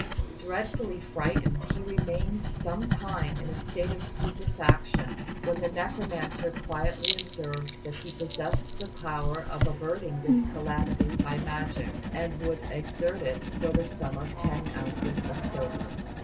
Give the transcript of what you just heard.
Dreadfully frightened, he remained some time in a state of stupefaction, when the necromancer quietly observed that he possessed the power of averting this calamity by magic, and would exert it for the sum of ten ounces of silver.